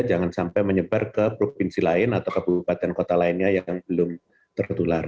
jangan sampai menyebar ke provinsi lain atau kabupaten kota lainnya yang belum tertular